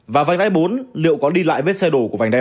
và vành đáy bốn liệu có đi lại vết xe đổ của vành đáy ba